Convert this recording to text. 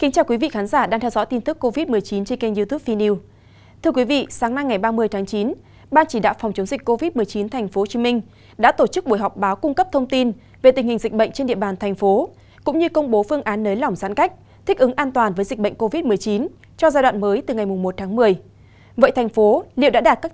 chào mừng quý vị đến với bộ phim hãy nhớ like share và đăng ký kênh của chúng mình nhé